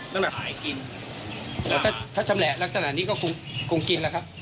ต้องแบบหายกินถ้าจำแหละลักษณะนี้ก็คงคงกินแล้วครับ